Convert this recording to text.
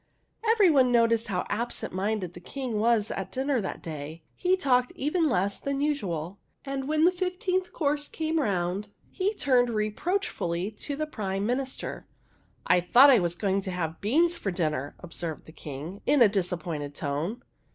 Every one noticed how absent minded the King was at dinner, that day. He talked even less than usual, and when the fifteenth course came round he turned reproachfully to the Prime Minister. '' I thought I was going to have beans for dinner," observed the King, in a disappointed tone.